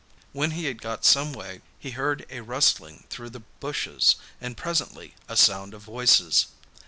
When he had got some way he heard a rustling through the bushes and presently a sound of voices.